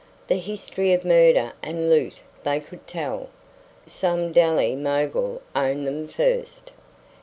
The history of murder and loot they could tell! Some Delhi mogul owned them first.